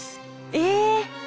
え！